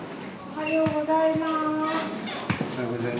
おはようございます。